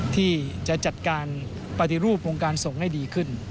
ที่จะจัดการปฏิรูปวงการส่งให้ดีขึ้น